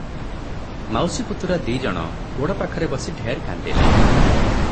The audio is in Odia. ମାଉସୀ ପୁତୁରା ଦି'ଜଣ ଗୋଡ଼ ପାଖରେ ବସି ଢେର କାନ୍ଦିଲେ ।